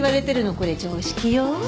これ常識よ。